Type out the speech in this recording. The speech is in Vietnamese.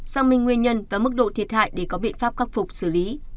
xác minh nguyên nhân và mức độ thiệt hại để có biện pháp khắc phục xử lý